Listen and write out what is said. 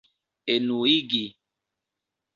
enuigi